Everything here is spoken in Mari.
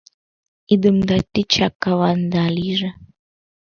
Идымда тичак каванда лийже.